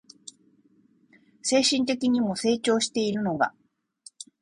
精神的にも成長しているのが